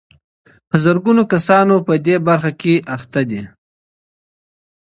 په زرګونه کسان په دې برخه کې بوخت دي.